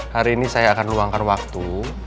hari ini saya akan luangkan waktu